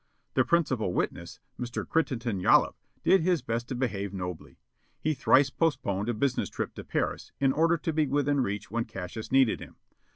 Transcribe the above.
The principal witness, Mr. Crittenden Yollop, did his best to behave nobly. He thrice postponed a business trip to Paris in order to be within reach when Cassius needed him.